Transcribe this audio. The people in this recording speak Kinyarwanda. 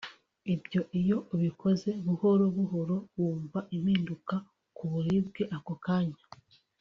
ibyo iyo ubikoze buhoro buhoro wumva impinduka ku buribwe ako kanya